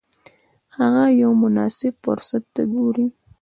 هغه یو مناسب فرصت ته ګوري.